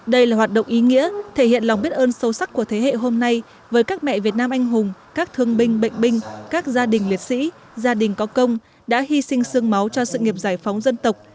đây là hoạt động ý nghĩa thể hiện lòng biết ơn sâu sắc của thế hệ hôm nay với các mẹ việt nam anh hùng các thương binh bệnh binh các gia đình liệt sĩ gia đình có công đã hy sinh sương máu cho sự nghiệp giải phóng dân tộc